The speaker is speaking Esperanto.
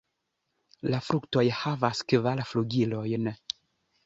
La fruktoj havas kvar flugilojn.